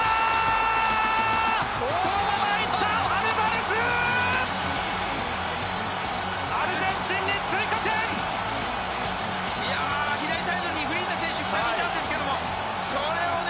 いや左サイドにフリーな選手２人いたんですけどもそれをね